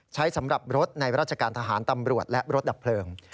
สำหรับรถในราชการทหารตำรวจและรถดับเพลิง